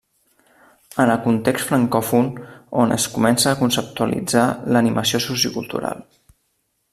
En el context francòfon on es comença a conceptualitzar l'animació sociocultural.